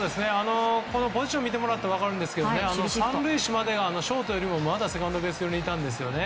ポジションを見てもらったら分かるんですけど３塁手まではセカンドベース寄りにいたんですよね。